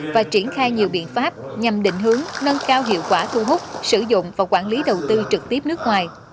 và triển khai nhiều biện pháp nhằm định hướng nâng cao hiệu quả thu hút sử dụng và quản lý đầu tư trực tiếp nước ngoài